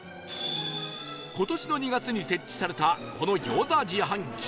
今年の２月に設置されたこの餃子自販機